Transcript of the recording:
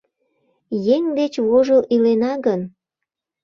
Еҥ деч вожыл илена гын